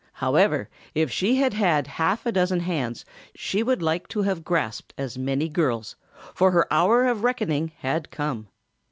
However, if she had had half a dozen hands she would like to have grasped as many girls, for her hour of reckoning had come.